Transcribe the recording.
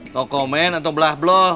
no komen atau belah belah